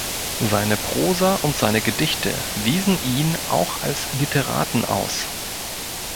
Seine Prosa und seine Gedichte wiesen ihn auch als Literaten aus.